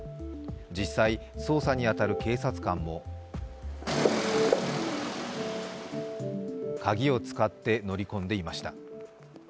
実際、捜査に当たる警察官も鍵を使って乗り込んでいました。